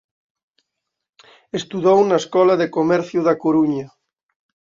Estudou na Escola de Comercio da Coruña.